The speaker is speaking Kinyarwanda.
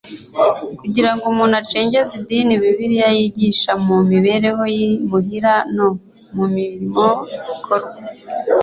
kugira ngo umuntu acengeze idini Bibliya yigisha mu mibereho y'I muhira no mu mirimo ikorwa,